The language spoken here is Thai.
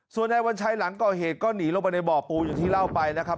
ส่วนนายวัญชัยหลังก่อเหตุก็หนีลงไปในบ่อปูอย่างที่เล่าไปนะครับ